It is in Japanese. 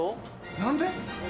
何で？